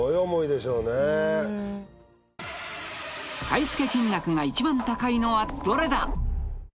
買い付け金額が一番高いのはどれだ？